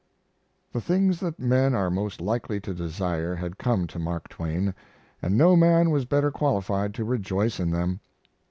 The things that men are most likely to desire had come to Mark Twain, and no man was better qualified to rejoice in them.